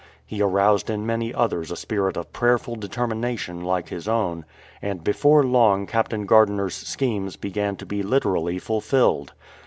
He aroused in many others a spirit of prayerful determination like his own, and before long Captain Gardiner's schemes began to be literally fulfilled.